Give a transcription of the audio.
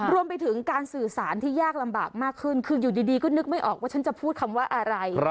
รวมไปถึงการสื่อสารที่ยากลำบากมากขึ้นคืออยู่ดีก็นึกไม่ออกว่าฉันจะพูดคำว่าอะไร